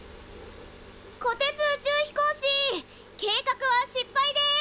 こてつ宇宙飛行士計画は失敗です！